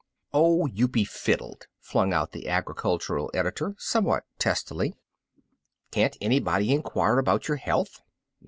"Oh, you be fiddled!" flung out the agri cultural editor somewhat testily; "can't anybody inquire about your health?"